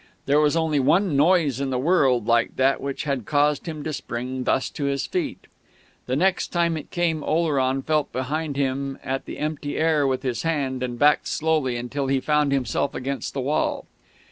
There was only one noise in the world like that which had caused him to spring thus to his feet.... The next time it came Oleron felt behind him at the empty air with his hand, and backed slowly until he found himself against the wall.